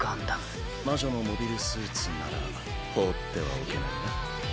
魔女のモビルスーツなら放ってはおけないな。